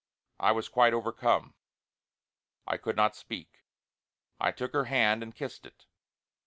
I was quite overcome; I could not speak. I took her hand and kissed it.